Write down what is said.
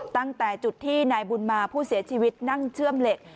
ตั้งแต่จุดที่นายบุญมาผู้เสียชีวิตนั่งเชื่อมเหล็ก